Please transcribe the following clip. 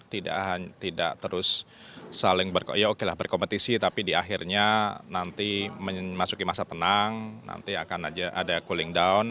tidak terus saling berkompetisi tapi di akhirnya nanti memasuki masa tenang nanti akan aja ada cooling down